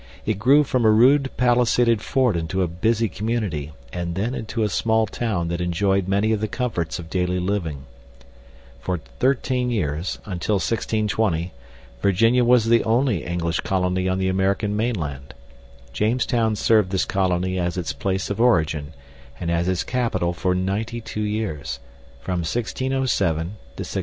It grew from a rude palisaded fort into a busy community and then into a small town that enjoyed many of the comforts of daily living. For 13 years (until 1620) Virginia was the only English colony on the American mainland. Jamestown served this colony as its place of origin and as its capital for 92 years from 1607 to 1699.